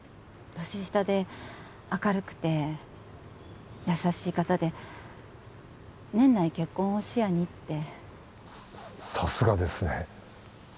年下で明るくて優しい方で「年内結婚を視野に」ってさすがですね